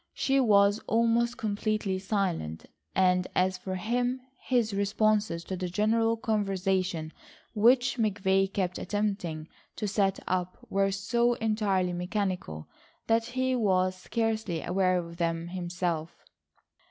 She was almost completely silent, and as for him, his responses to the general conversation which McVay kept attempting to set up, were so entirely mechanical that he was scarcely aware of them himself.